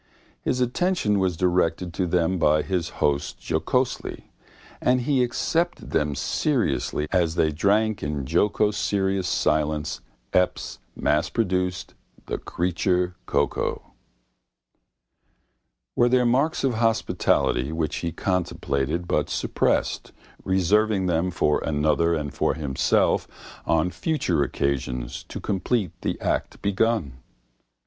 His attention was directed to them by his host jocosely, and he accepted them seriously as they drank in jocoserious silence Epps's massproduct, the creature cocoa. Were there marks of hospitality which he contemplated but suppressed, reserving them for another and for himself on future occasions to complete the act begun?